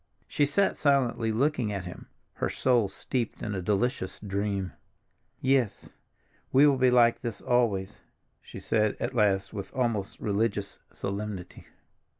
She sat silently looking at him, her soul steeped in a delicious dream. "Yes, we will be like this always," she said at last with almost religious solemnity.